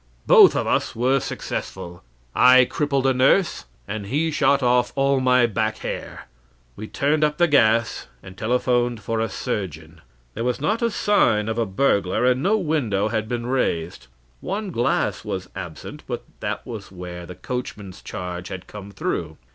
Both of us were successful; I crippled a nurse, and he shot off all my back hair. We turned up the gas, and telephoned for a surgeon. There was not a sign of a burglar, and no window had been raised. One glass was absent, but that was where the coachman's charge had come through.